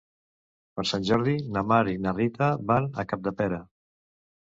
Per Sant Jordi na Mar i na Rita van a Capdepera.